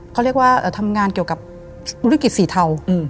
เขาเรียกว่าทำงานเกี่ยวกับธุรกิจสีเทา